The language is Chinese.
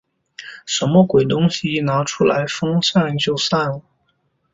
什么鬼东西？一拿出来风扇就散了。